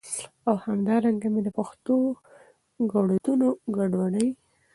او همدا رنګه مي د پښتو ګړدودونه ګډوډي